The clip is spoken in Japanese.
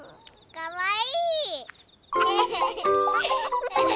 かわいい！